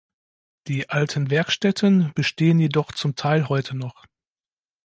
Die alten Werkstätten bestehen jedoch zum Teil heute noch.